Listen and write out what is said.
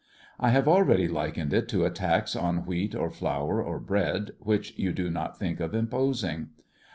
I have already likened it to a tax on wheat or flour or bread, which you do not think of imposing.